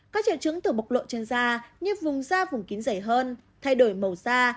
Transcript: có triệu chứng từ mộc lộ trên da như vùng da vùng kín dày hơn thay đổi màu da